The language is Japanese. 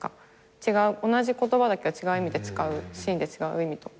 同じ言葉だけど違う意味で使うシーンで違う意味とか。